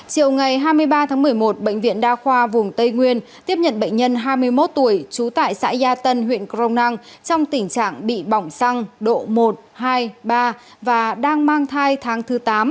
chiều ngày hai mươi ba tháng một mươi một bệnh viện đa khoa vùng tây nguyên tiếp nhận bệnh nhân hai mươi một tuổi trú tại xã gia tân huyện crong năng trong tình trạng bị bỏng xăng độ một hai ba và đang mang thai tháng thứ tám